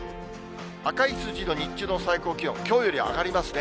赤い数字の日中の最高気温、きょうより上がりますね。